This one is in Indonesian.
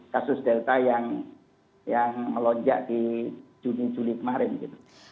kasus delta yang melonjak di juni juli kemarin gitu